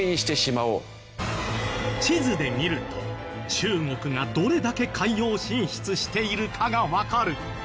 地図で見ると中国がどれだけ海洋進出しているかがわかる。